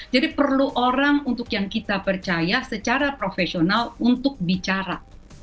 perlu orang untuk yang kita percaya secara profesional untuk bicara